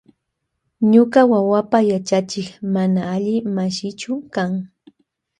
Ñuka wawapa yachachik mana alli mashichu kan.